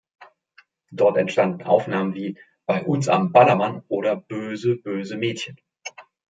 Dort entstanden Aufnahmen wie "Bei uns am Ballermann" oder "Böse böse Mädchen".